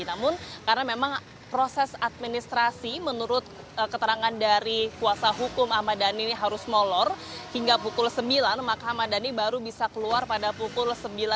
namun karena memang proses administrasi menurut keterangan dari kuasa hukum ahmad dhani ini harus molor hingga pukul sembilan maka ahmad dhani baru bisa keluar pada pukul sembilan